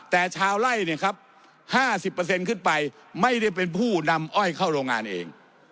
แต่ชาวไล่เนี่ยครับ๕๐ขึ้นไปไม่ได้เป็นผู้นำอ้อยเข้าโรงงานเอง